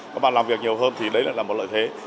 các bạn làm việc nhiều hơn thì đấy lại là một lợi thế